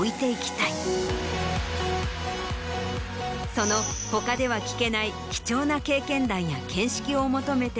その他では聞けない貴重な経験談や見識を求めて。